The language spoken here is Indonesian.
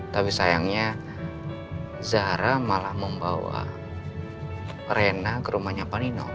tapi sayangnya zara malah membawa rena ke rumahnya pak nino